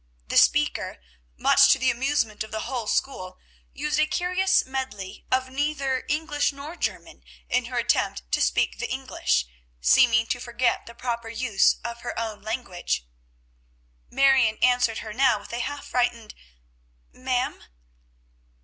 The speaker, much to the amusement of the whole school, used a curious medley of neither English nor German in her attempt to speak the English, seeming to forget the proper use of her own language. Marion answered her now with a half frightened, "Ma'am?"